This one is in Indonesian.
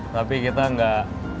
tapi kita gak berantem